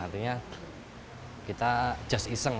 artinya kita just iseng